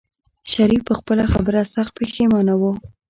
شريف په خپله خبره سخت پښېمانه و.